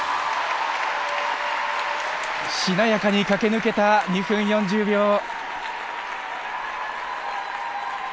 しなやかに駆け抜けた２分４０秒。